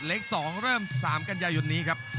๒๐๑๗เล็ก๒เริ่ม๓กันยายนี้ครับ